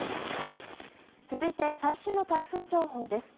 続いて、最新の台風情報です。